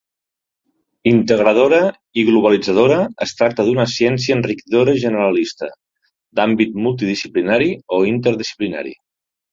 Integradora i globalitzadora, es tracta d'una ciència enriquidora i generalista, d'àmbit multidisciplinari o interdisciplinari.